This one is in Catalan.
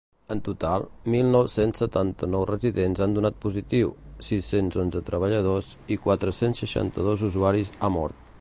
En total, mil nou-cents setanta-nou residents han donat positiu, sis-cents onze treballadors i quatre-cents seixanta-dos usuaris ha mort.